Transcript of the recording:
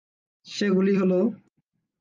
সেগুলি হলোঃ